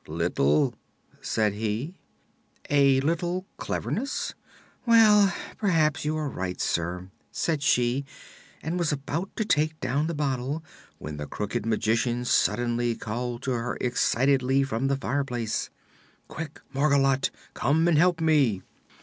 "Little," said he. "A little 'Cleverness'? Well, perhaps you are right, sir," said she, and was about to take down the bottle when the Crooked Magician suddenly called to her excitedly from the fireplace. "Quick, Margolotte! Come and help me."